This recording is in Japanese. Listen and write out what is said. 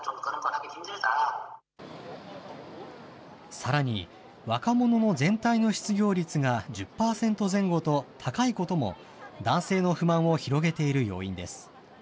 さらに、若者の全体の失業率が１０％前後と高いことも、男性の不満を広げている要因です。